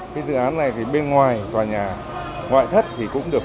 cái dự án này thì bên ngoài tòa nhà ngoại thất thì cũng được